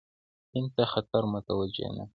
هند ته خطر متوجه نه دی.